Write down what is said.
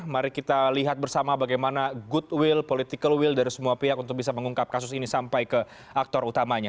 mari kita lihat bersama bagaimana good will political will dari semua pihak untuk bisa mengungkap kasus ini sampai ke aktor utamanya